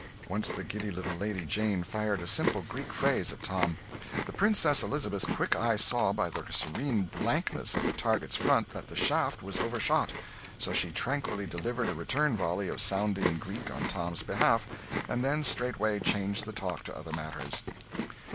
Once the giddy little Lady Jane fired a simple Greek phrase at Tom. The Princess Elizabeth's quick eye saw by the serene blankness of the target's front that the shaft was overshot; so she tranquilly delivered a return volley of sounding Greek on Tom's behalf, and then straightway changed the talk to other matters.